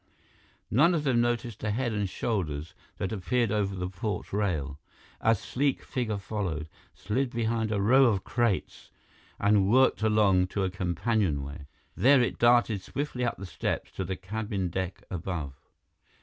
None of them noticed the head and shoulders that appeared over the port rail. A sleek figure followed, slid behind a row of crates, and worked along to a companionway. There it darted swiftly up the steps to the cabin deck above.